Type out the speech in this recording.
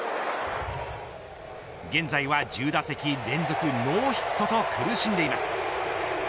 現在は１０打席連続ノーヒットと苦しんでいます。